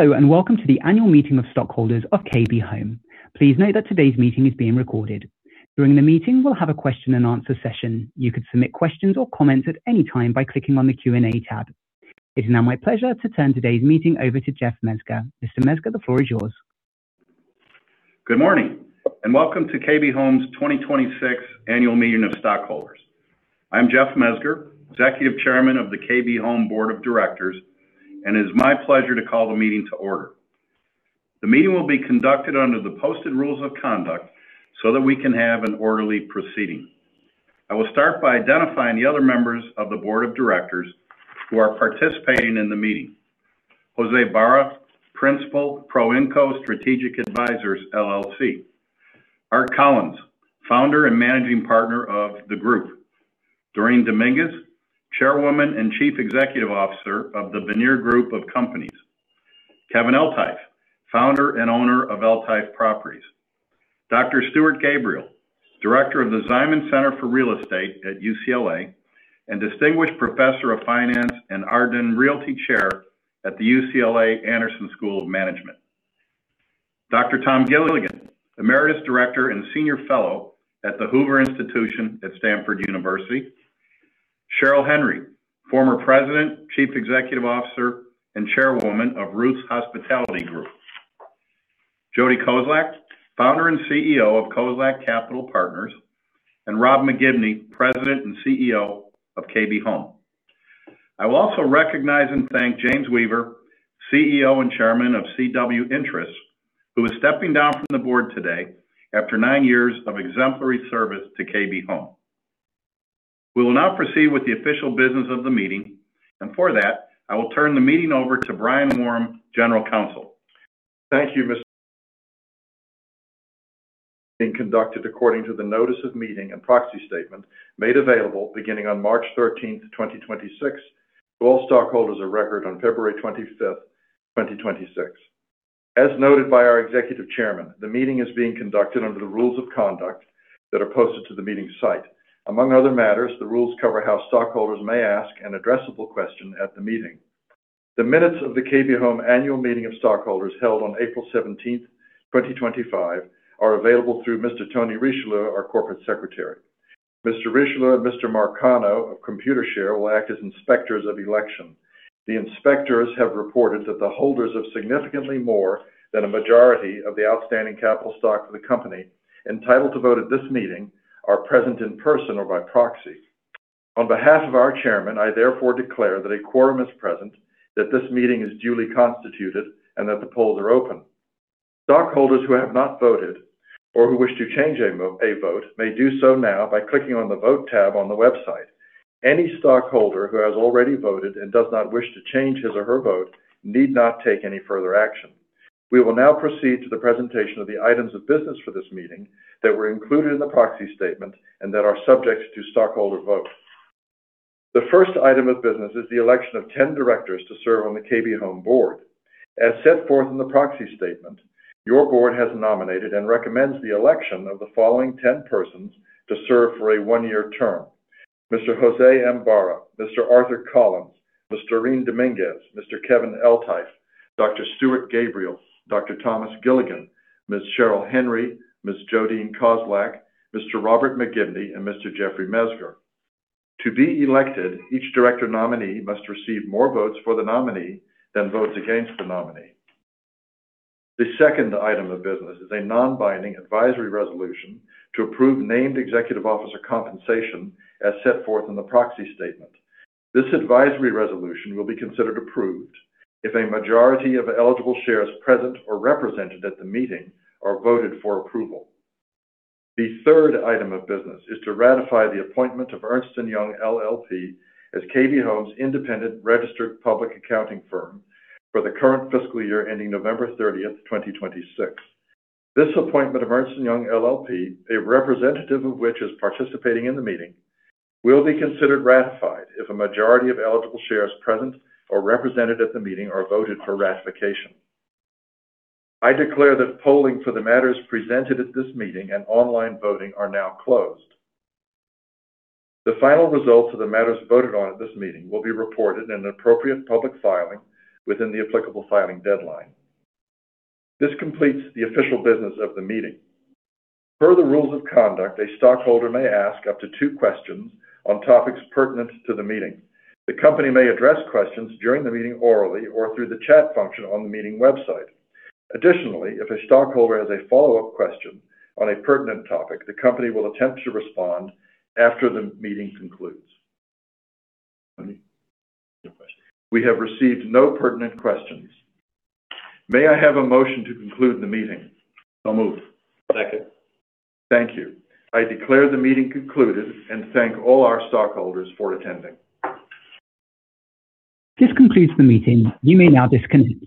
Hello, and welcome to the annual meeting of stockholders of KB Home. Please note that today's meeting is being recorded. During the meeting, we'll have a question and answer session. You can submit questions or comments at any time by clicking on the Q&A tab. It is now my pleasure to turn today's meeting over to Jeff Mezger. Mr. Mezger, the floor is yours. Good morning, and welcome to KB Home's 2026 annual meeting of stockholders. I'm Jeff Mezger, Executive Chairman of the KB Home Board of Directors, and it is my pleasure to call the meeting to order. The meeting will be conducted under the posted rules of conduct so that we can have an orderly proceeding. I will start by identifying the other members of the board of directors who are participating in the meeting. Jose Barra, Principal, ProInco Strategic Advisors LLC. Art Collins, Founder and Managing Partner of the group. Dorene Dominguez, Chairwoman and Chief Executive Officer of The Vanir Group of Companies. Kevin Eltife, Founder and Owner of Eltife Properties. Dr. Stuart Gabriel, Director of the Ziman Center for Real Estate at UCLA, and Distinguished Professor of Finance and Arden Realty Chair at the UCLA Anderson School of Management. Dr. Tom Gilligan, Emeritus Director and Senior Fellow at the Hoover Institution at Stanford University. Cheryl Henry, former President, Chief Executive Officer, and Chairwoman of Ruth's Hospitality Group. Jodee Kozlak, Founder and CEO of Kozlak Capital Partners, and Rob McGibney, President and CEO of KB Home. I will also recognize and thank James Weaver, CEO and Chairman of CW Interests, who is stepping down from the board today after nine years of exemplary service to KB Home. We will now proceed with the official business of the meeting, and for that, I will turn the meeting over to Brian Woram, General Counsel. The meeting is being conducted according to the notice of meeting and proxy statement made available beginning on March 13th, 2026, to all stockholders of record on February 25th, 2026. As noted by our Executive Chairman, the meeting is being conducted under the rules of conduct that are posted to the meeting site. Among other matters, the rules cover how stockholders may ask an addressable question at the meeting. The minutes of the KB Home annual meeting of stockholders held on April 17th, 2025, are available through Mr. Tony Richelieu, our corporate secretary. Mr. Richelieu and Mr. Marcano of Computershare will act as inspectors of election. The inspectors have reported that the holders of significantly more than a majority of the outstanding capital stock of the company entitled to vote at this meeting are present in person or by proxy. On behalf of our chairman, I therefore declare that a quorum is present, that this meeting is duly constituted, and that the polls are open. Stockholders who have not voted or who wish to change a vote may do so now by clicking on the Vote tab on the website. Any stockholder who has already voted and does not wish to change his or her vote need not take any further action. We will now proceed to the presentation of the items of business for this meeting that were included in the proxy statement and that are subject to stockholder vote. The first item of business is the election of 10 directors to serve on the KB Home board. As set forth in the proxy statement, your board has nominated and recommends the election of the following 10 persons to serve for a one-year term: Mr. Jose Barra, Mr. Arthur Collins, Ms. Dorene Dominguez, Mr. Kevin Eltife, Dr. Stuart Gabriel, Dr. Thomas Gilligan, Ms. Cheryl Henry, Ms. Jodeen Kozlak, Mr. Robert McGibney, and Mr. Jeffrey Mezger. To be elected, each director nominee must receive more votes for the nominee than votes against the nominee. The second item of business is a non-binding advisory resolution to approve named executive officer compensation as set forth in the proxy statement. This advisory resolution will be considered approved if a majority of eligible shares present or represented at the meeting are voted for approval. The third item of business is to ratify the appointment of Ernst & Young LLP as KB Home's independent registered public accounting firm for the current fiscal year ending November 30th, 2026. This appointment of Ernst & Young LLP, a representative of which is participating in the meeting, will be considered ratified if a majority of eligible shares present or represented at the meeting are voted for ratification. I declare that polling for the matters presented at this meeting and online voting are now closed. The final results of the matters voted on at this meeting will be reported in an appropriate public filing within the applicable filing deadline. This completes the official business of the meeting. Per the rules of conduct, a stockholder may ask up to two questions on topics pertinent to the meeting. The company may address questions during the meeting orally or through the chat function on the meeting website. Additionally, if a stockholder has a follow-up question on a pertinent topic, the company will attempt to respond after the meeting concludes. We have received no pertinent questions. May I have a motion to conclude the meeting moved? Second. Thank you. I declare the meeting concluded and thank all our stockholders for attending. This concludes the meeting. You may now disconnect.